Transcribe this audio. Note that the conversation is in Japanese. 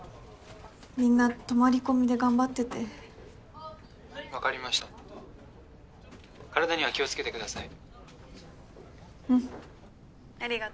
みんな泊まり込みで頑張ってて☎分かりました☎体には気をつけてください